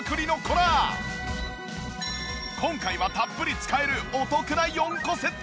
今回はたっぷり使えるお得な４個セット。